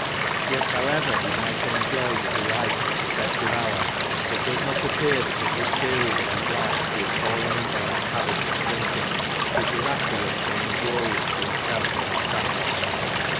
Yet however he might enjoy the delights of the/estive hour, it does not appear that at this period of his life he had fallen into that habit of drinking, which was afterwards so injurious to himself and his family.